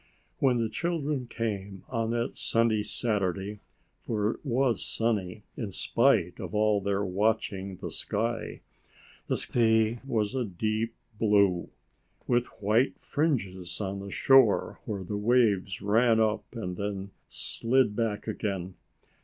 When the children came on that sunny Saturday, for it was sunny in spite of all their watching the sky, the sea was a deep blue, with white fringes on the shore, where the waves ran up and then slid back again.